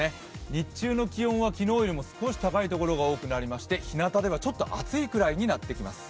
日中の気温は昨日よりも少し高い所が多くなりまして、ひなたではちょっと暑いくらいになってきます。